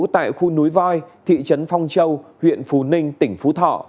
tại khu chín thị trấn phong châu huyện phú ninh tỉnh phú thọ